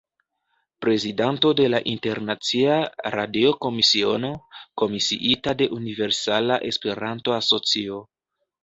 Prezidanto de la Internacia Radio-Komisiono, komisiita de Universala Esperanto-Asocio.